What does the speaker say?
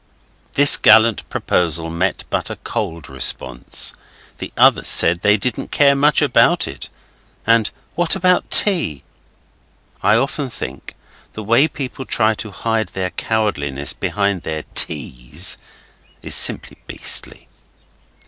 This gallant proposal met but a cold response. The others said they didn't care much about it, and what about tea? I often think the way people try to hide their cowardliness behind their teas is simply beastly.